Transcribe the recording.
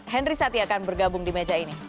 henry satya akan bergabung di meja ini